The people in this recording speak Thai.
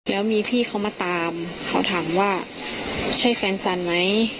แล้วมีพี่เขามาตามเขาถามว่าใช่แฟนสันไหม